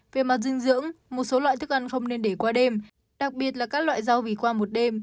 về mặt dinh dưỡng một số loại thức ăn không nên để qua đêm đặc biệt là các loại rau vì khoa một đêm